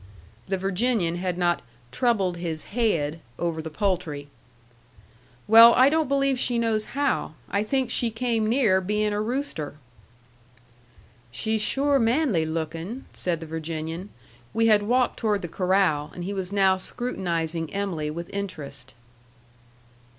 The Virginian had not "troubled his haid" over the poultry. "Well, I don't believe she knows how. I think she came near being a rooster." "She's sure manly lookin'," said the Virginian. We had walked toward the corral, and he was now scrutinizing Em'ly with interest.